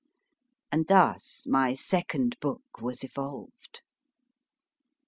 And thus my second book was evolved.